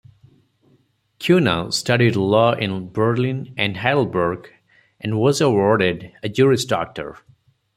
Cuno studied law in Berlin and Heidelberg and was awarded a Juris Doctor.